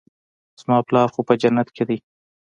زما پلار خو په جنت کښې دى.